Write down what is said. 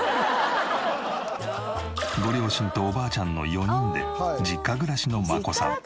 ご両親とおばあちゃんの４人で実家暮らしの真子さん。